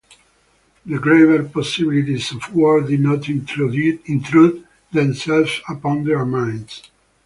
The graver possibilities of war did not intrude themselves upon their minds.